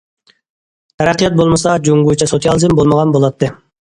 تەرەققىيات بولمىسا جۇڭگوچە سوتسىيالىزم بولمىغان بولاتتى.